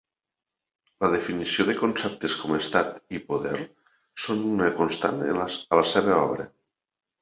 La definició de conceptes com Estat i poder són una constant a la seva obra.